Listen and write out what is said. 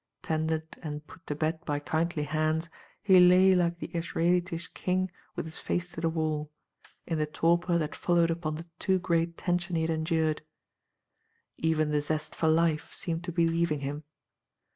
Tended and put to bed by kindly hands, he lay like the Israelitish king with his face to the wall, in the torpor that followed upon the too great tension he had endured. Even the zest for life seemed to be leaving him.